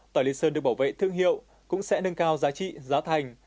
tỏi lý sơn được bảo vệ thương hiệu cũng sẽ nâng cao giá trị giá thành